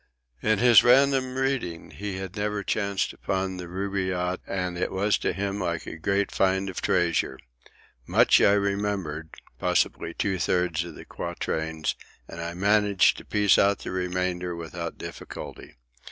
In his random reading he had never chanced upon the Rubáiyát, and it was to him like a great find of treasure. Much I remembered, possibly two thirds of the quatrains, and I managed to piece out the remainder without difficulty.